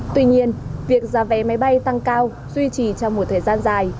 tuy nhiên việc giá vé máy bay tăng cao duy trì trong một thời gian dài